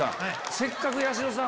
せっかく八代さん